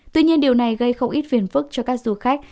tuy nhiên điều này gây không ít phiền phức cho các du khách